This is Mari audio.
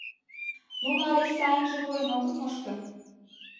Нуно але сайынже мурен огыт мошто.